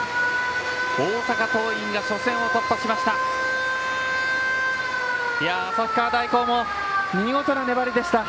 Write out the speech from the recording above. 大阪桐蔭が初戦を突破しました。